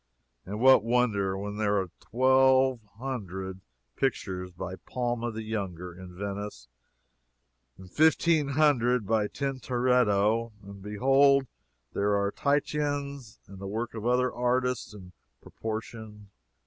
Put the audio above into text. And what wonder, when there are twelve hundred pictures by Palma the Younger in Venice and fifteen hundred by Tintoretto? And behold there are Titians and the works of other artists in proportion.